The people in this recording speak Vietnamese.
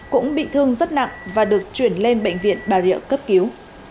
cũng bị thương rất nặng và được chuyển lên bệnh viện bà rịa cấp cứu